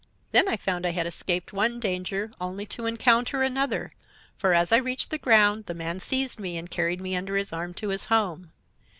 "Then I found I had escaped one danger only to encounter another, for as I reached the ground the man seized me and carried me under his arm to his home.